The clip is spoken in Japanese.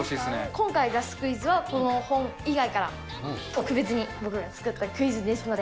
今回出すクイズは、この本以外から、特別に僕が作ったクイズですので。